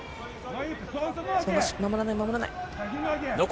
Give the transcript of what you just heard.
守らない、守らない。